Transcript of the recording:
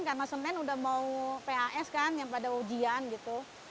karena senin udah mau pas kan yang pada ujian gitu